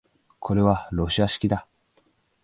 これはロシア式だ